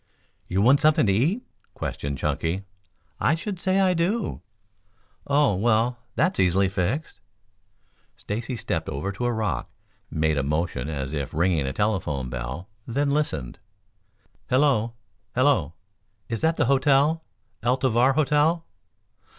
"You want something to eat?" questioned Chunky. "I should say I do." "Oh, well, that's easily fixed." Stacy stepped over to a rock, made a motion as if ringing a telephone bell, then listened. "Hello! hello! Is that the hotel, El Tovar Hotel?